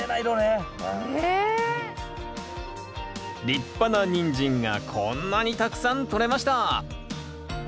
立派なニンジンがこんなにたくさんとれました！